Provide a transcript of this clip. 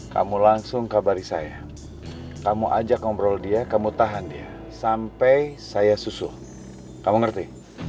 kamu langsung kabari saya kamu ajak ngobrol dia kamu tahan dia sampai saya susu kamu ngerti